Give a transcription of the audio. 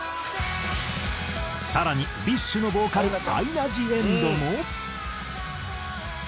更にＢｉＳＨのボーカルアイナ・ジ・エンドも。